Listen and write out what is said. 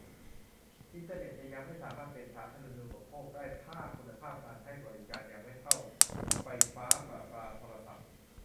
อินเทอร์เน็ตจะยังไม่สามารถเป็น 'สาธารณูปโภค' ได้ ถ้าคุณภาพการให้บริการยังไม่เท่าไฟฟ้าประปาโทรศัพท์